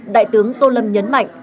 đại tướng tô lâm nhấn mạnh